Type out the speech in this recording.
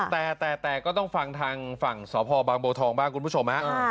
แต่แต่ก็ต้องฟังทางฝั่งสพบางบัวทองบ้างคุณผู้ชมฮะ